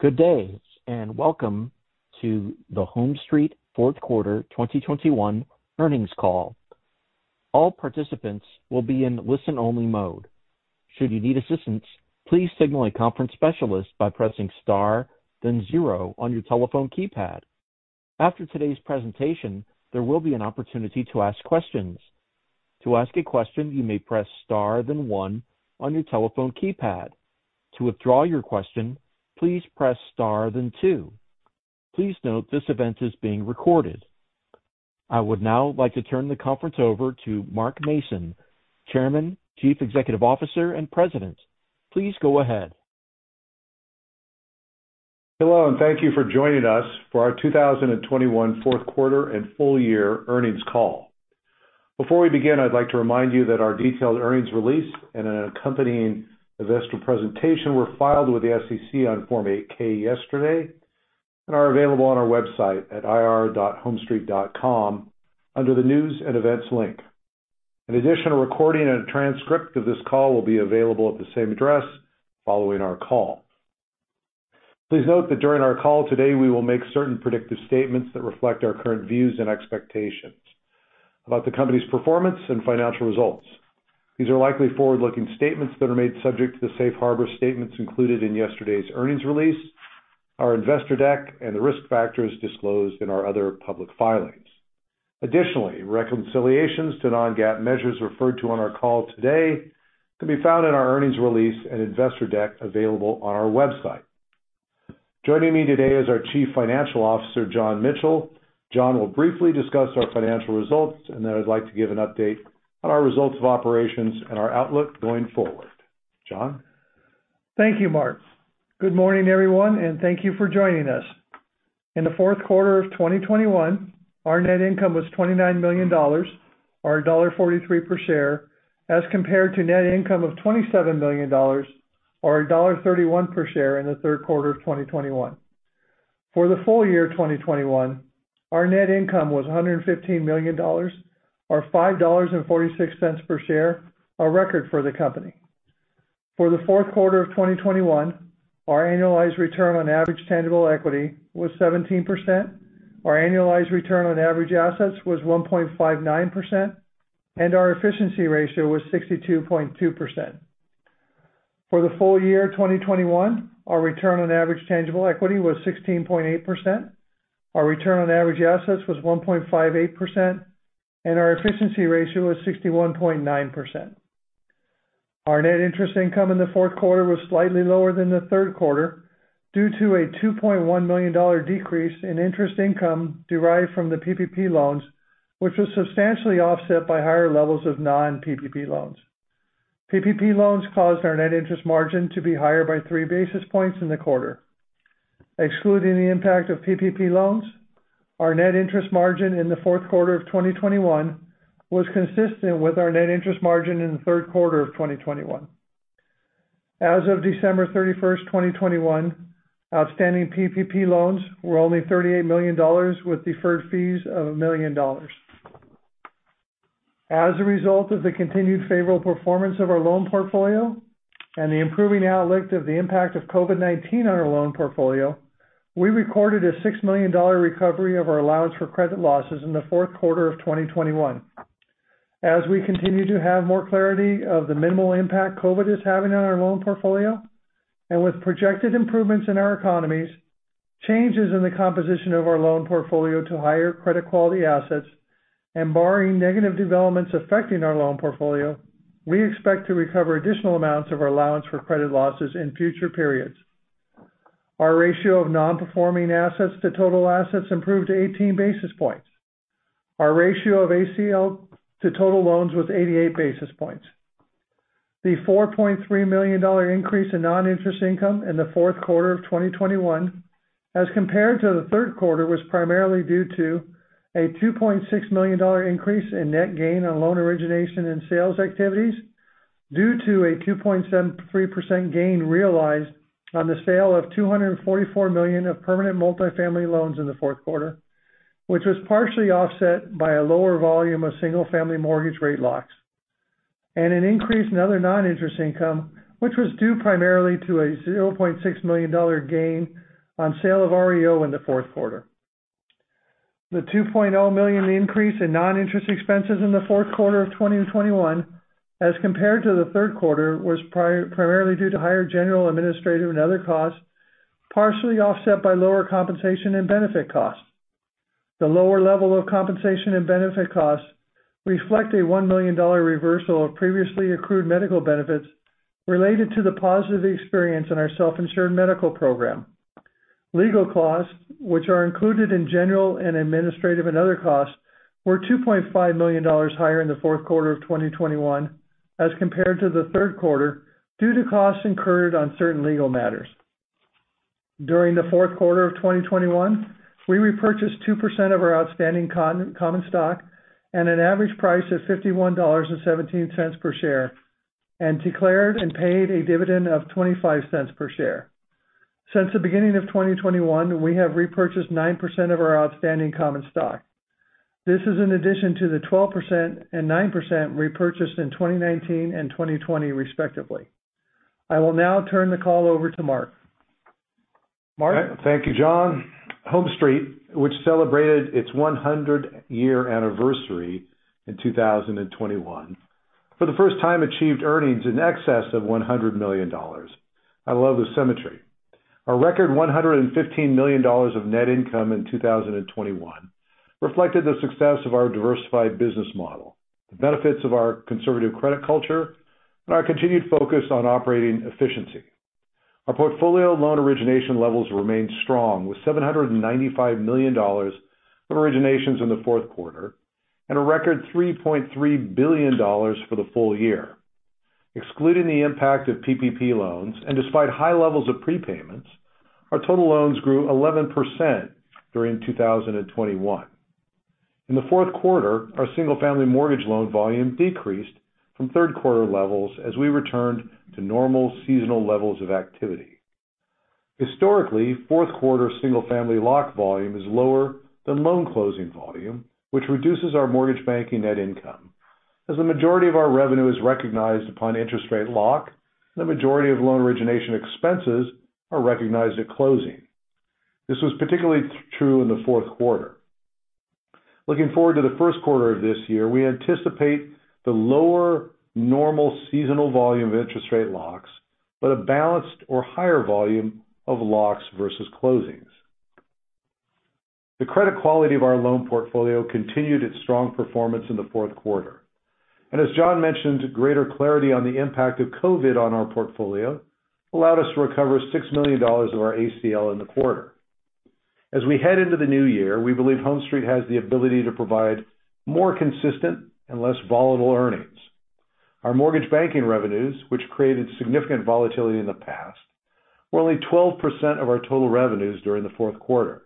Good day, and welcome to the HomeStreet Fourth Quarter 2021 Earnings Call. All participants will be in listen-only mode. Should you need assistance, please signal a conference specialist by pressing Star, then zero on your telephone keypad. After today's presentation, there will be an opportunity to ask questions. To ask a question, you may press Star then one on your telephone keypad. To withdraw your question, please press Star then two. Please note this event is being recorded. I would now like to turn the conference over to Mark Mason, Chairman, Chief Executive Officer, and President. Please go ahead. Hello, and thank you for joining us for our 2021 Fourth Quarter and Full Year Earnings Call. Before we begin, I'd like to remind you that our detailed earnings release and an accompanying investor presentation were filed with the SEC on Form 8-K yesterday and are available on our website at ir.homestreet.com under the News & Events link. An additional recording and a transcript of this call will be available at the same address following our call. Please note that during our call today, we will make certain predictive statements that reflect our current views and expectations about the company's performance and financial results. These are likely forward-looking statements that are made subject to the safe harbor statements included in yesterday's earnings release, our investor deck, and the risk factors disclosed in our other public filings. Additionally, reconciliations to non-GAAP measures referred to on our call today can be found in our earnings release and investor deck available on our website. Joining me today is our Chief Financial Officer, John Michel. John will briefly discuss our financial results, and then I'd like to give an update on our results of operations and our outlook going forward. John? Thank you, Mark. Good morning, everyone, and thank you for joining us. In the fourth quarter of 2021, our net income was $29 million or $1.43 per share, as compared to net income of $27 million or $1.31 per share in the third quarter of 2021. For the full year of 2021, our net income was $115 million or $5.46 per share, a record for the company. For the fourth quarter of 2021, our annualized return on average tangible equity was 17%. Our annualized return on average assets was 1.59%, and our efficiency ratio was 62.2%. For the full year of 2021, our return on average tangible equity was 16.8%. Our return on average assets was 1.58%, and our efficiency ratio was 61.9%. Our net interest income in the fourth quarter was slightly lower than the third quarter due to a $2.1 million decrease in interest income derived from the PPP loans, which was substantially offset by higher levels of non-PPP loans. PPP loans caused our net interest margin to be higher by three basis points in the quarter. Excluding the impact of PPP loans, our net interest margin in the fourth quarter of 2021 was consistent with our net interest margin in the third quarter of 2021. As of December 31st, 2021, outstanding PPP loans were only $38 million, with deferred fees of $1 million. As a result of the continued favorable performance of our loan portfolio and the improving outlook of the impact of COVID-19 on our loan portfolio, we recorded a $6 million recovery of our allowance for credit losses in the fourth quarter of 2021. We continue to have more clarity of the minimal impact COVID is having on our loan portfolio, and with projected improvements in our economies, changes in the composition of our loan portfolio to higher credit quality assets and barring negative developments affecting our loan portfolio, we expect to recover additional amounts of our allowance for credit losses in future periods. Our ratio of non-performing assets to total assets improved to 18 basis points. Our ratio of ACL to total loans was 88 basis points. The $4.3 million increase in non-interest income in the fourth quarter of 2021 as compared to the third quarter was primarily due to a $2.6 million increase in net gain on loan origination and sales activities, due to a 2.73% gain realized on the sale of $244 million of permanent multifamily loans in the fourth quarter, which was partially offset by a lower volume of single-family mortgage rate locks. An increase in other non-interest income, which was due primarily to a $0.6 million gain on sale of REO in the fourth quarter. The $2.0 million increase in non-interest expenses in the fourth quarter of 2021 as compared to the third quarter was primarily due to higher general, administrative, and other costs, partially offset by lower compensation and benefit costs. The lower level of compensation and benefit costs reflect a $1 million reversal of previously accrued medical benefits related to the positive experience in our self-insured medical program. Legal costs, which are included in general and administrative and other costs, were $2.5 million higher in the fourth quarter of 2021 as compared to the third quarter, due to costs incurred on certain legal matters. During the fourth quarter of 2021, we repurchased 2% of our outstanding common stock at an average price of $51.17 per share, and declared and paid a dividend of $0.25 per share. Since the beginning of 2021, we have repurchased 9% of our outstanding common stock. This is in addition to the 12% and 9% repurchased in 2019 and 2020 respectively. I will now turn the call over to Mark. Mark? Thank you, John. HomeStreet, which celebrated its 100-year anniversary in 2021, for the first time achieved earnings in excess of $100 million. I love the symmetry. Our record $115 million of net income in 2021 reflected the success of our diversified business model, the benefits of our conservative credit culture, and our continued focus on operating efficiency. Our portfolio loan origination levels remained strong, with $795 million of originations in the fourth quarter and a record $3.3 billion for the full year. Excluding the impact of PPP loans, and despite high levels of prepayments, our total loans grew 11% during 2021. In the fourth quarter, our single-family mortgage loan volume decreased from third quarter levels as we returned to normal seasonal levels of activity. Historically, fourth quarter single-family lock volume is lower than loan closing volume, which reduces our mortgage banking net income. As the majority of our revenue is recognized upon interest rate lock, the majority of loan origination expenses are recognized at closing. This was particularly true in the fourth quarter. Looking forward to the first quarter of this year, we anticipate the lower normal seasonal volume of interest rate locks, but a balanced or higher volume of locks versus closings. The credit quality of our loan portfolio continued its strong performance in the fourth quarter. As John mentioned, greater clarity on the impact of COVID on our portfolio allowed us to recover $6 million of our ACL in the quarter. As we head into the new year, we believe HomeStreet has the ability to provide more consistent and less volatile earnings. Our mortgage banking revenues, which created significant volatility in the past, were only 12% of our total revenues during the fourth quarter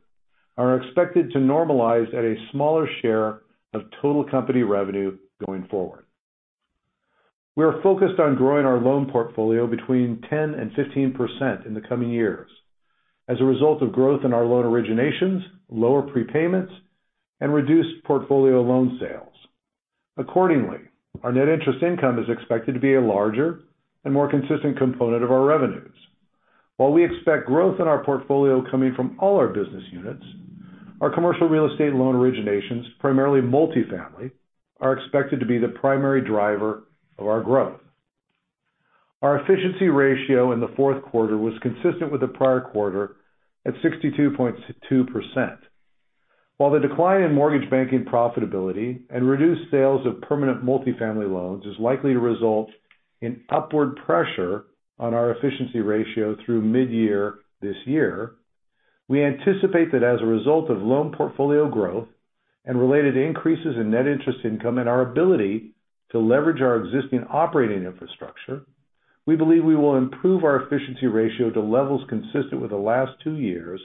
and are expected to normalize at a smaller share of total company revenue going forward. We are focused on growing our loan portfolio between 10% and 15% in the coming years as a result of growth in our loan originations, lower prepayments, and reduced portfolio loan sales. Accordingly, our net interest income is expected to be a larger and more consistent component of our revenues. While we expect growth in our portfolio coming from all our business units, our commercial real estate loan originations, primarily multifamily, are expected to be the primary driver of our growth. Our efficiency ratio in the fourth quarter was consistent with the prior quarter at 62.2%. While the decline in mortgage banking profitability and reduced sales of permanent multifamily loans is likely to result in upward pressure on our efficiency ratio through mid-year this year, we anticipate that as a result of loan portfolio growth and related increases in net interest income and our ability to leverage our existing operating infrastructure, we believe we will improve our efficiency ratio to levels consistent with the last two years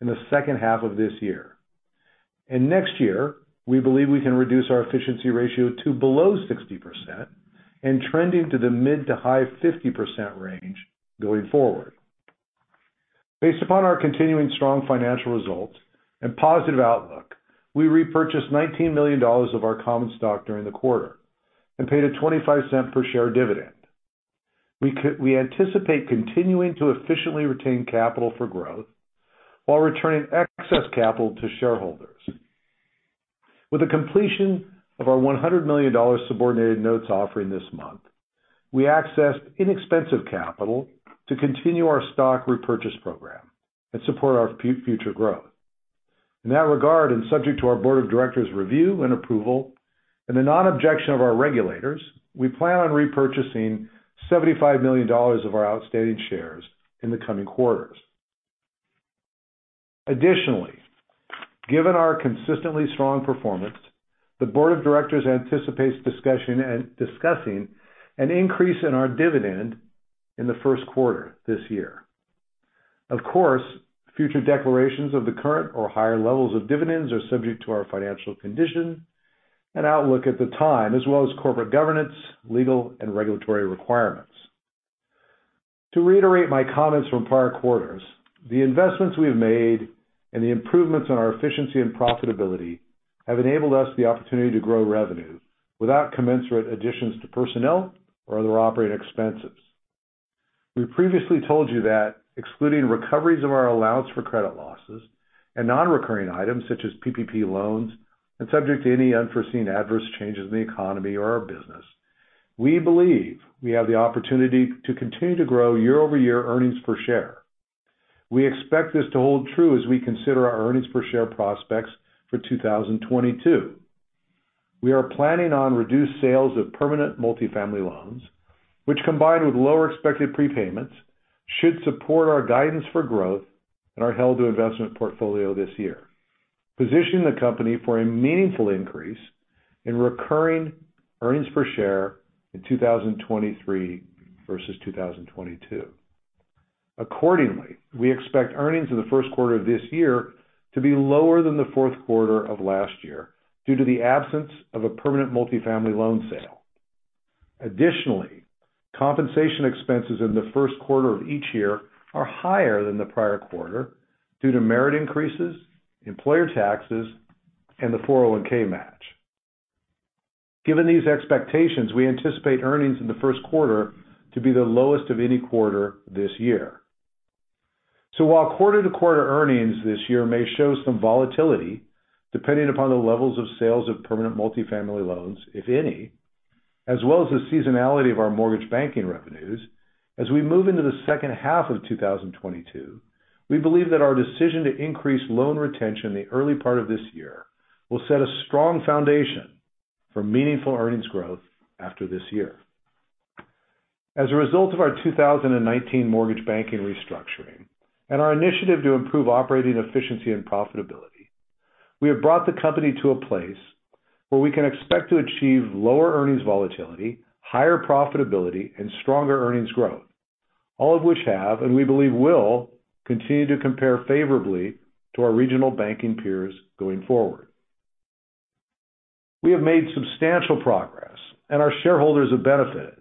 in the second half of this year. Next year, we believe we can reduce our efficiency ratio to below 60% and trending to the mid to high-50% range going forward. Based upon our continuing strong financial results and positive outlook, we repurchased $19 million of our common stock during the quarter and paid a $0.25 per share dividend. We anticipate continuing to efficiently retain capital for growth while returning excess capital to shareholders. With the completion of our $100 million subordinated notes offering this month, we accessed inexpensive capital to continue our stock repurchase program and support our future growth. In that regard, and subject to our board of directors' review and approval and the non-objection of our regulators, we plan on repurchasing $75 million of our outstanding shares in the coming quarters. Additionally, given our consistently strong performance, the board of directors anticipates discussing an increase in our dividend in the first quarter this year. Of course, future declarations of the current or higher levels of dividends are subject to our financial condition and outlook at the time, as well as corporate governance, legal, and regulatory requirements. To reiterate my comments from prior quarters, the investments we have made and the improvements in our efficiency and profitability have enabled us the opportunity to grow revenue without commensurate additions to personnel or other operating expenses. We previously told you that excluding recoveries of our allowance for credit losses and non-recurring items such as PPP loans, and subject to any unforeseen adverse changes in the economy or our business, we believe we have the opportunity to continue to grow year-over-year earnings per share. We expect this to hold true as we consider our earnings per share prospects for 2022. We are planning on reduced sales of permanent multifamily loans, which combined with lower expected prepayments, should support our guidance for growth in our held-to-investment portfolio this year, positioning the company for a meaningful increase in recurring earnings per share in 2023 versus 2022. Accordingly, we expect earnings in the first quarter of this year to be lower than the fourth quarter of last year due to the absence of a permanent multifamily loan sale. Additionally, compensation expenses in the first quarter of each year are higher than the prior quarter due to merit increases, employer taxes, and the 401(k) match. Given these expectations, we anticipate earnings in the first quarter to be the lowest of any quarter this year. While quarter-to-quarter earnings this year may show some volatility depending upon the levels of sales of permanent multifamily loans, if any, as well as the seasonality of our mortgage banking revenues, as we move into the second half of 2022, we believe that our decision to increase loan retention in the early part of this year will set a strong foundation for meaningful earnings growth after this year. As a result of our 2019 mortgage banking restructuring and our initiative to improve operating efficiency and profitability, we have brought the company to a place where we can expect to achieve lower earnings volatility, higher profitability, and stronger earnings growth. All of which have, and we believe will, continue to compare favorably to our regional banking peers going forward. We have made substantial progress, and our shareholders have benefited.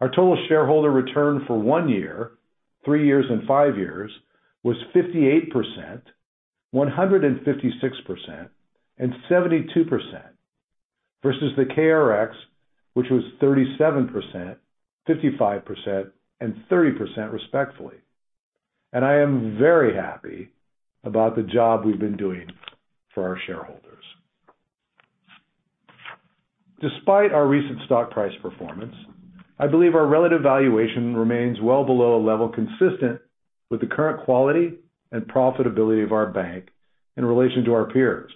Our total shareholder return for one year, three years and five years was 58%, 156%, and 72%, versus the KRX, which was 37%, 55%, and 30%, respectively. I am very happy about the job we've been doing for our shareholders. Despite our recent stock price performance, I believe our relative valuation remains well below a level consistent with the current quality and profitability of our bank in relation to our peers.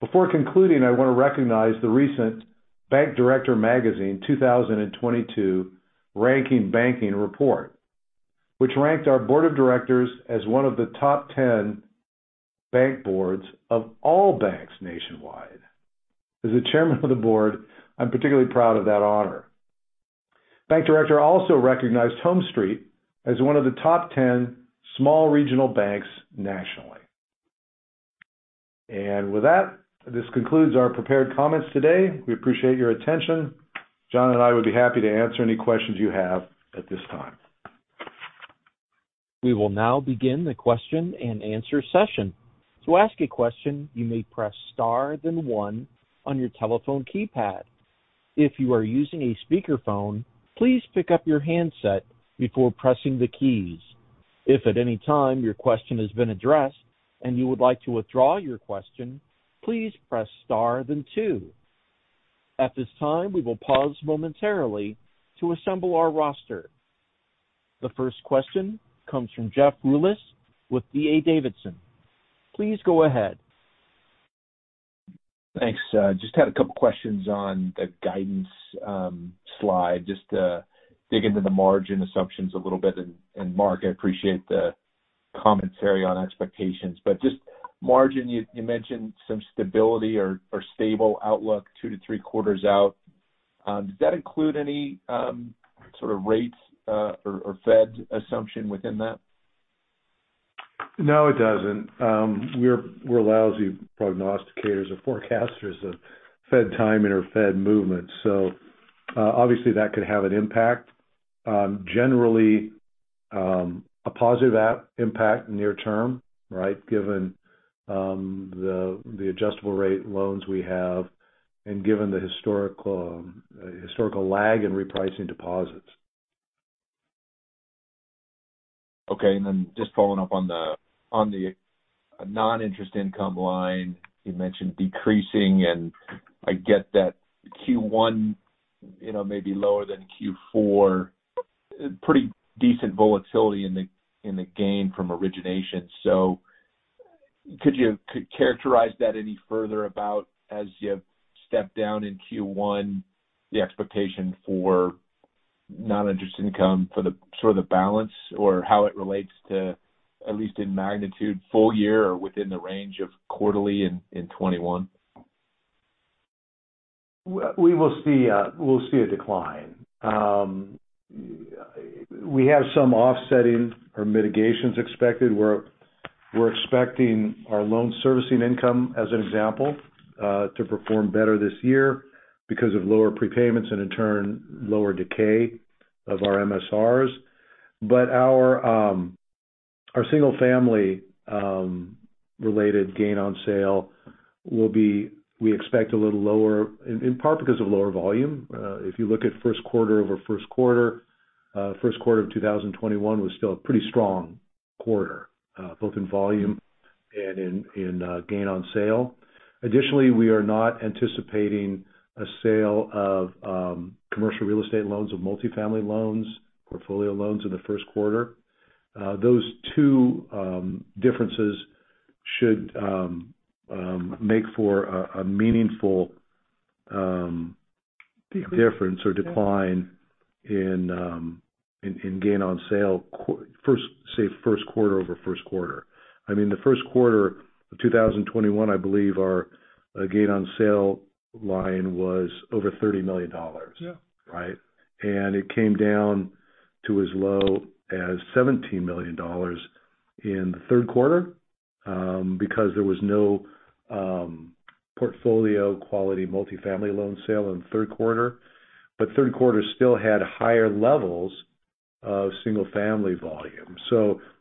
Before concluding, I want to recognize the recent Bank Director magazine 2022 ranking banking report, which ranked our board of directors as one of the top 10 bank boards of all banks nationwide. As the Chairman of the board, I'm particularly proud of that honor. Bank Director also recognized HomeStreet as one of the top 10 small regional banks nationally. With that, this concludes our prepared comments today. We appreciate your attention. John and I would be happy to answer any questions you have at this time. We will now begin the question-and-answer session. To ask a question, you may press star then one on your telephone keypad. If you are using a speakerphone, please pick up your handset before pressing the keys. If at any time your question has been addressed and you would like to withdraw your question, please press star then two. At this time, we will pause momentarily to assemble our roster. The first question comes from Jeff Rulis with D.A. Davidson. Please go ahead. Thanks. Just had a couple questions on the guidance slide, just to dig into the margin assumptions a little bit. Mark, I appreciate the commentary on expectations. Just margin, you mentioned some stability or stable outlook two-three quarters out. Does that include any sort of rates or Fed assumption within that? No, it doesn't. We're lousy prognosticators or forecasters of Fed timing or Fed movement. Obviously, that could have an impact. Generally, a positive impact near term, right? Given the adjustable rate loans we have and given the historical lag in repricing deposits. Okay. Just following up on the non-interest income line, you mentioned decreasing, and I get that Q1, you know, may be lower than Q4. Pretty decent volatility in the gain from origination. Could you characterize that any further about as you step down in Q1, the expectation for non-interest income for the sort of the balance or how it relates to at least in magnitude full year or within the range of quarterly in 2021? We will see a decline. We have some offsetting or mitigations expected, where we're expecting our loan servicing income, as an example, to perform better this year because of lower prepayments and in turn, lower decay of our MSRs. Our single family related gain on sale will be, we expect, a little lower in part because of lower volume. If you look at first quarter over first quarter, first quarter of 2021 was still a pretty strong quarter, both in volume and in gain on sale. Additionally, we are not anticipating a sale of commercial real estate loans or multifamily loans, portfolio loans in the first quarter. Those two differences should make for a meaningful difference or decline in gain on sale, first quarter over first quarter. I mean, the first quarter of 2021, I believe our gain on sale line was over $30 million. Yeah. Right? It came down to as low as $17 million in the third quarter. Because there was no portfolio quality multifamily loan sale in the third quarter. Third quarter still had higher levels of single family volume.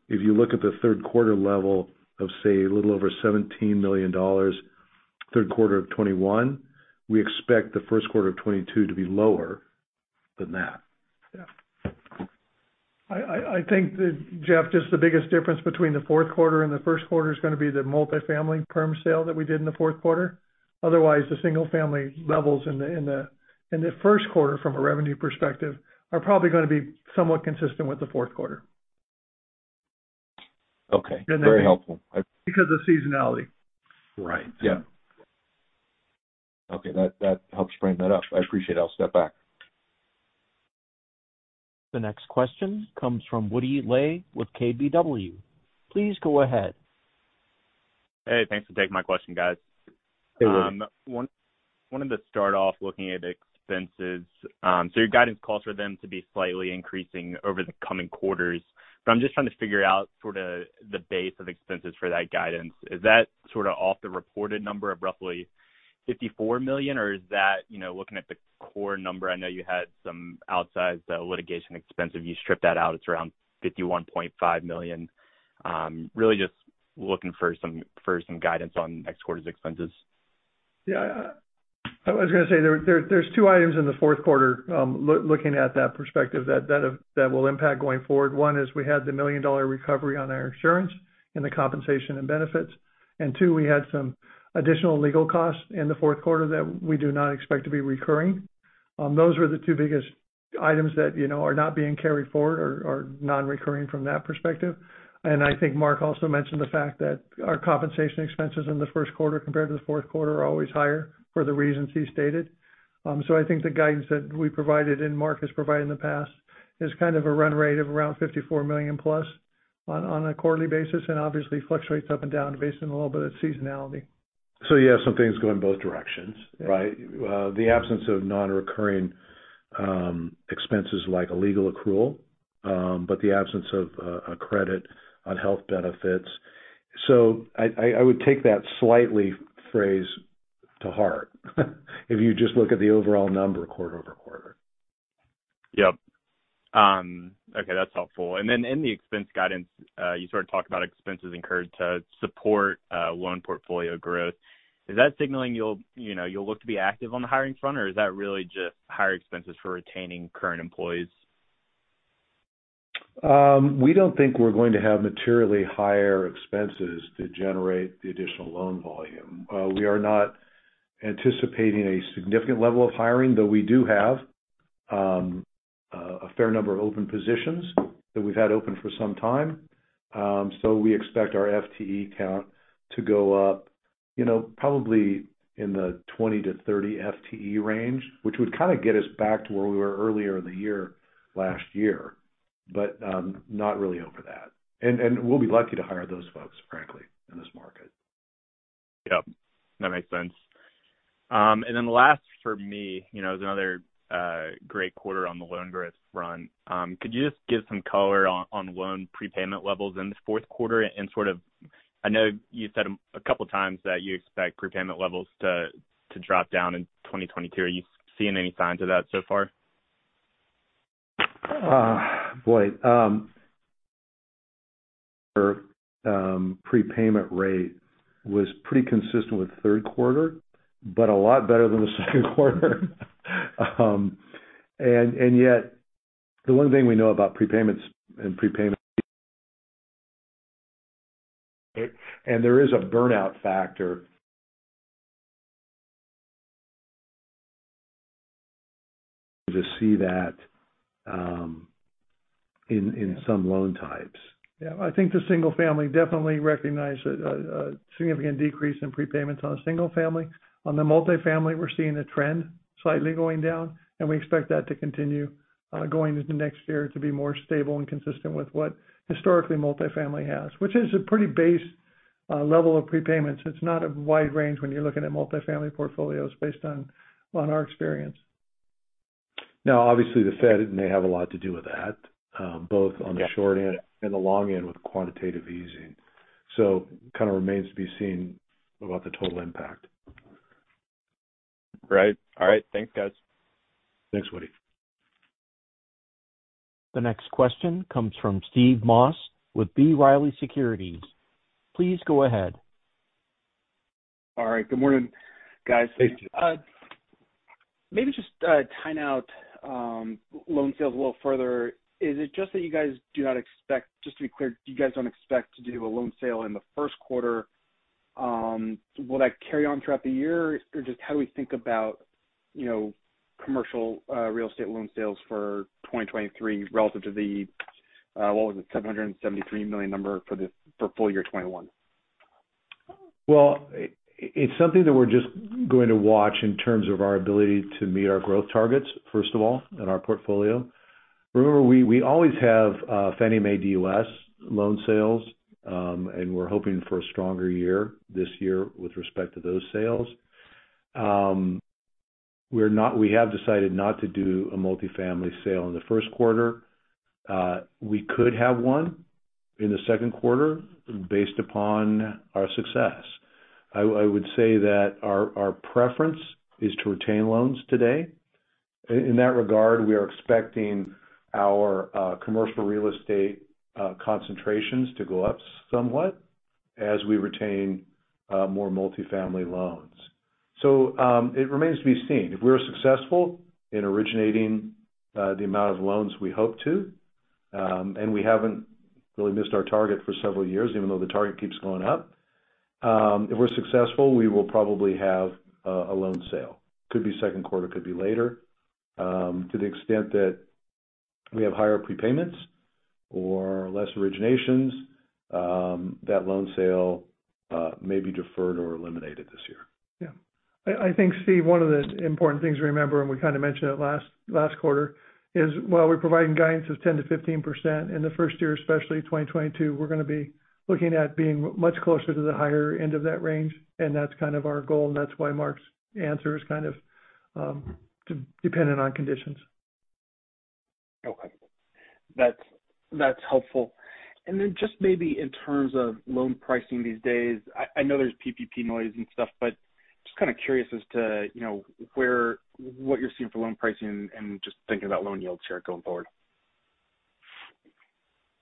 If you look at the third quarter level of, say, a little over $17 million, third quarter of 2021, we expect the first quarter of 2022 to be lower than that. Yeah. I think that, Jeff, just the biggest difference between the fourth quarter and the first quarter is going to be the multi-family perm sale that we did in the fourth quarter. Otherwise, the single family levels in the first quarter from a revenue perspective are probably going to be somewhat consistent with the fourth quarter. Okay. Very helpful. Because of seasonality. Right. Yeah. Okay. That helps frame that up. I appreciate it. I'll step back. The next question comes from Woody Lay with KBW. Please go ahead. Hey, thanks for taking my question, guys. Hey, Woody. Wanted to start off looking at expenses. Your guidance calls for them to be slightly increasing over the coming quarters, but I'm just trying to figure out sort of the base of expenses for that guidance. Is that sort of off the reported number of roughly $54 million, or is that, you know, looking at the core number? I know you had some outsized litigation expense. If you strip that out, it's around $51.5 million. Really just looking for some guidance on next quarter's expenses. Yeah. I was going to say there's two items in the fourth quarter, looking at that perspective that will impact going forward. One is we had the $1 million recovery on our insurance and the compensation and benefits. Two, we had some additional legal costs in the fourth quarter that we do not expect to be recurring. Those were the two biggest items that, you know, are not being carried forward or non-recurring from that perspective. I think Mark also mentioned the fact that our compensation expenses in the first quarter compared to the fourth quarter are always higher for the reasons he stated. I think the guidance that we provided and Mark has provided in the past is kind of a run rate of around $54 million+ on a quarterly basis and obviously fluctuates up and down based on a little bit of seasonality. Yeah, some things go in both directions, right? The absence of non-recurring expenses like a legal accrual, but the absence of a credit on health benefits. I would take that slight variance to heart if you just look at the overall number quarter-over-quarter. Yep. Okay, that's helpful. In the expense guidance, you sort of talked about expenses incurred to support loan portfolio growth. Is that signaling you'll, you know, look to be active on the hiring front, or is that really just higher expenses for retaining current employees? We don't think we're going to have materially higher expenses to generate the additional loan volume. We are not anticipating a significant level of hiring, though we do have a fair number of open positions that we've had open for some time. We expect our FTE count to go up, you know, probably in the 20-30 FTE range, which would kind of get us back to where we were earlier in the year, last year, but not really over that. We'll be lucky to hire those folks, frankly, in this market. Yep, that makes sense. Last for me, you know, is another great quarter on the loan growth front. Could you just give some color on loan prepayment levels in the fourth quarter? I know you said a couple of times that you expect prepayment levels to drop down in 2022. Are you seeing any signs of that so far? Boy. Our prepayment rate was pretty consistent with third quarter, but a lot better than the second quarter. Yet the one thing we know about prepayments is that there is a burnout factor, to see that in some loan types. Yeah. I think the single family definitely recognized a significant decrease in prepayments on a single family. On the multifamily, we're seeing the trend slightly going down, and we expect that to continue going into next year to be more stable and consistent with what historically multifamily has, which is a pretty base level of prepayments. It's not a wide range when you're looking at multifamily portfolios based on our experience. Now, obviously, the Fed may have a lot to do with that, both on the short end and the long end with quantitative easing. Kind of remains to be seen about the total impact. Right. All right. Thanks, guys. Thanks, Woody. The next question comes from Steve Moss with B. Riley Securities. Please go ahead. All right. Good morning, guys. Hey, Steve. Maybe just tying out loan sales a little further. Just to be clear, you guys don't expect to do a loan sale in the first quarter. Will that carry on throughout the year? Or just how do we think about, you know, commercial real estate loan sales for 2023 relative to the, what was it, $773 million number for full year 2021? Well, it's something that we're just going to watch in terms of our ability to meet our growth targets, first of all, in our portfolio. Remember, we always have Fannie Mae DUS loan sales, and we're hoping for a stronger year this year with respect to those sales. We have decided not to do a multifamily sale in the first quarter. We could have one in the second quarter based upon our success. I would say that our preference is to retain loans today. In that regard, we are expecting our commercial real estate concentrations to go up somewhat as we retain more multifamily loans. It remains to be seen. If we're successful in originating the amount of loans we hope to, and we haven't really missed our target for several years, even though the target keeps going up. If we're successful, we will probably have a loan sale. Could be second quarter, could be later. To the extent that we have higher prepayments or less originations, that loan sale may be deferred or eliminated this year. Yeah. I think, Steve, one of the important things to remember, and we kinda mentioned it last quarter, is while we're providing guidance of 10%-15% in the first year, especially 2022, we're gonna be looking at being much closer to the higher end of that range, and that's kind of our goal, and that's why Mark's answer is kind of dependent on conditions. Okay. That's helpful. Just maybe in terms of loan pricing these days, I know there's PPP noise and stuff, but just kind of curious as to, you know, what you're seeing for loan pricing and just thinking about loan yields here going forward.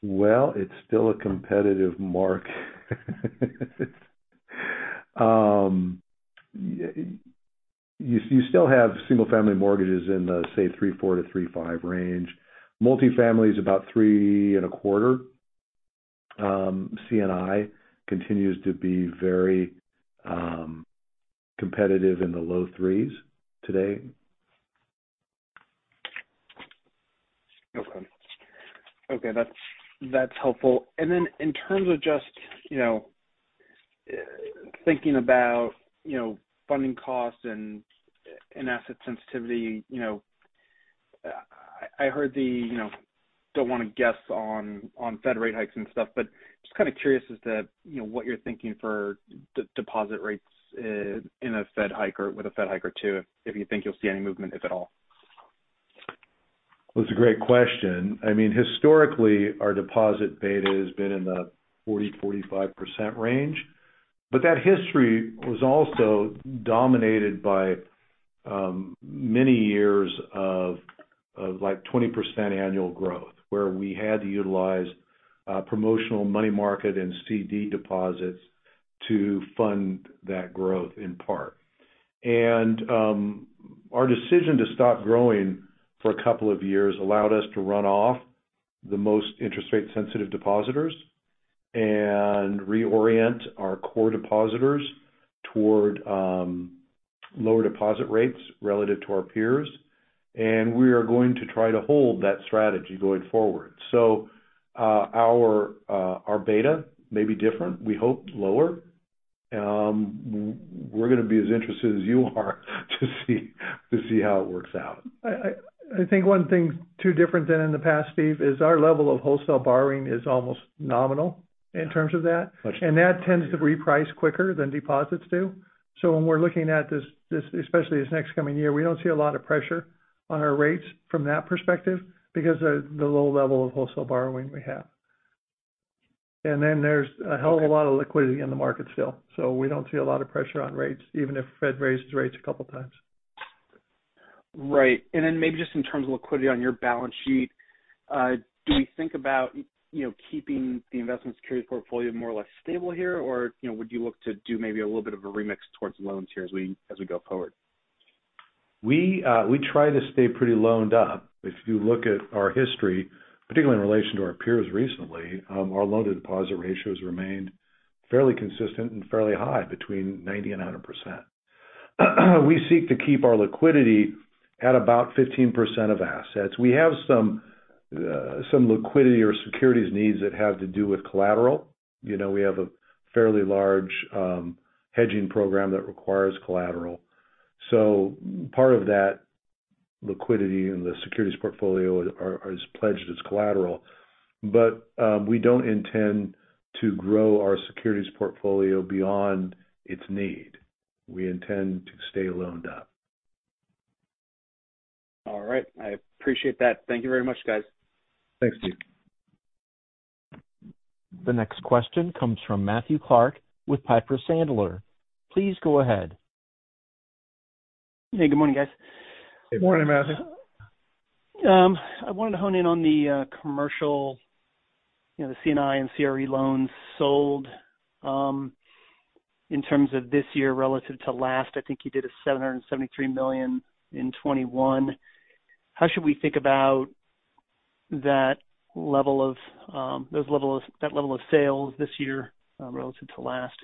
Well, it's still a competitive market. You still have single-family mortgages in the, say, 3.4%-3.5% range. Multifamily is about 3.25%. C&I continues to be very competitive in the low 3s today. Okay. Okay, that's helpful. Then in terms of just, you know, thinking about, you know, funding costs and asset sensitivity, you know, I heard the, you know, don't wanna guess on Fed rate hikes and stuff, but just kind of curious as to, you know, what you're thinking for deposit rates in a Fed hike or with a Fed hike or two, if you think you'll see any movement, if at all. Well, it's a great question. I mean, historically, our deposit beta has been in the 40%-45% range, but that history was also dominated by many years of like 20% annual growth, where we had to utilize promotional money market and CD deposits to fund that growth in part. Our decision to stop growing for a couple of years allowed us to run off the most interest-rate sensitive depositors and reorient our core depositors toward lower deposit rates relative to our peers. We are going to try to hold that strategy going forward. Our beta may be different. We hope lower. We're gonna be as interested as you are to see how it works out. I think one thing too different than in the past, Steve, is our level of wholesale borrowing is almost nominal in terms of that tends to reprice quicker than deposits do. When we're looking at this, especially this next coming year, we don't see a lot of pressure on our rates from that perspective because of the low level of wholesale borrowing we have. There's a hell of a lot of liquidity in the market still. We don't see a lot of pressure on rates, even if Fed raises rates a couple times. Right. Maybe just in terms of liquidity on your balance sheet, do you think about keeping the investment securities portfolio more or less stable here? Or would you look to do maybe a little bit of a remix towards loans here as we go forward? We try to stay pretty loaned up. If you look at our history, particularly in relation to our peers recently, our loan-to-deposit ratios remained fairly consistent and fairly high between 90%-100%. We seek to keep our liquidity at about 15% of assets. We have some some liquidity or securities needs that have to do with collateral. You know, we have a fairly large, hedging program that requires collateral. So part of that liquidity in the securities portfolio is pledged as collateral. We don't intend to grow our securities portfolio beyond its need. We intend to stay loaned up. All right. I appreciate that. Thank you very much, guys. Thanks, Steve. The next question comes from Matthew Clark with Piper Sandler. Please go ahead. Hey, good morning, guys. Good morning, Matthew. I wanted to hone in on the commercial, you know, the C&I and CRE loans sold in terms of this year relative to last. I think you did $773 million in 2021. How should we think about that level of sales this year relative to last?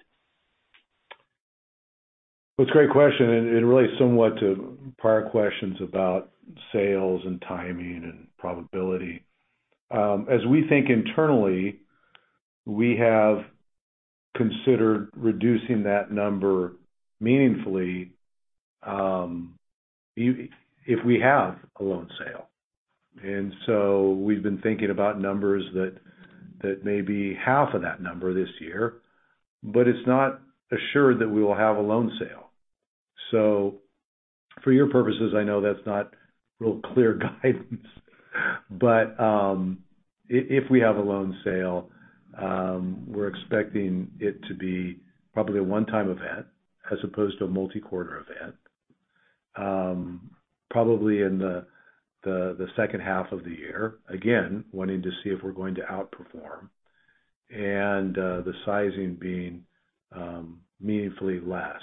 Well, it's a great question, and it relates somewhat to prior questions about sales and timing and probability. As we think internally, we have considered reducing that number meaningfully if we have a loan sale. We've been thinking about numbers that may be half of that number this year, but it's not assured that we will have a loan sale. For your purposes, I know that's not real clear guidance. If we have a loan sale, we're expecting it to be probably a one-time event as opposed to a multi-quarter event, probably in the second half of the year. Again, wanting to see if we're going to outperform and the sizing being meaningfully less,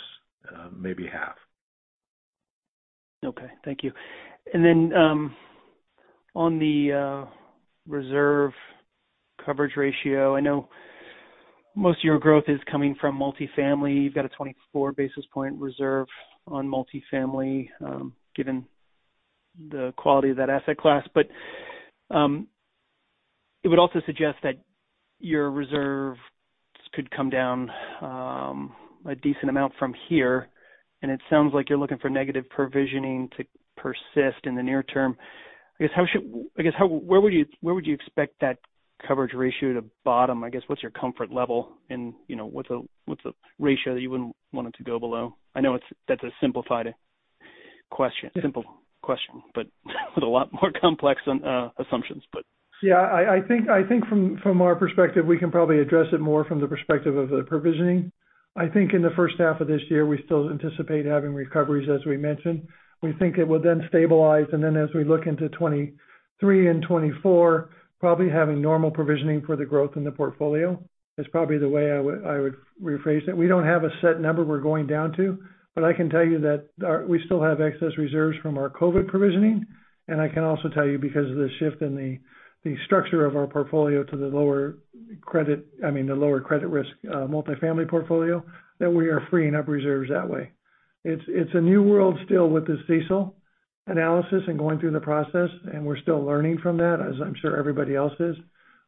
maybe half. Okay, thank you. On the reserve coverage ratio, I know most of your growth is coming from multifamily. You've got a 24 basis point reserve on multifamily, given the quality of that asset class. It would also suggest that your reserve could come down a decent amount from here, and it sounds like you're looking for negative provisioning to persist in the near term. Where would you expect that coverage ratio to bottom? What's your comfort level and, you know, what's the ratio that you wouldn't want it to go below? I know it's a simplified question. Simple question, but with a lot more complex assumptions. Yeah, I think from our perspective, we can probably address it more from the perspective of the provisioning. I think in the first half of this year, we still anticipate having recoveries, as we mentioned. We think it will then stabilize, and then as we look into 2023 and 2024, probably having normal provisioning for the growth in the portfolio. That's probably the way I would rephrase it. We don't have a set number we're going down to, but I can tell you that our, we still have excess reserves from our COVID provisioning. I can also tell you because of the shift in the structure of our portfolio to the lower credit, I mean, the lower credit risk, multifamily portfolio, that we are freeing up reserves that way. It's a new world still with the CECL analysis and going through the process, and we're still learning from that, as I'm sure everybody else is.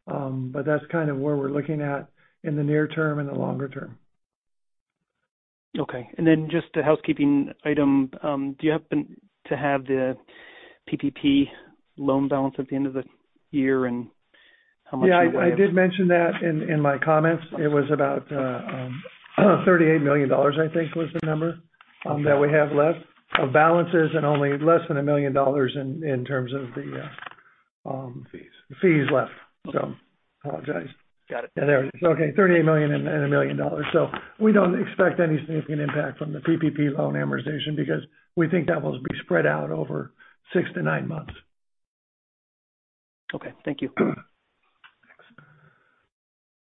That's kind of where we're looking at in the near term and the longer term. Okay. Just a housekeeping item. Do you happen to have the PPP loan balance at the end of the year and how much you have? Yeah, I did mention that in my comments. It was about $38 million, I think was the number, that we have left of balances and only less than $1 million in terms of the fees left. Apologize. Got it. Yeah, there it is. Okay, $38 million and $1 million. We don't expect any significant impact from the PPP loan amortization because we think that will be spread out over six-nine months. Okay, thank you. Thanks.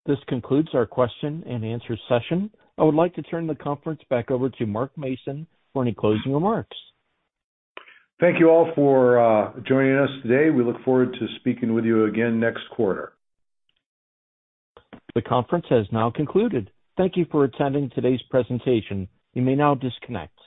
This concludes our question and answer session. I would like to turn the conference back over to Mark Mason for any closing remarks. Thank you all for joining us today. We look forward to speaking with you again next quarter. The conference has now concluded. Thank you for attending today's presentation. You may now disconnect.